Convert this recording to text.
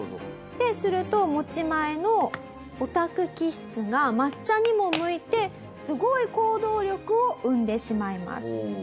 ですると持ち前のオタク気質が抹茶にも向いてすごい行動力を生んでしまいます。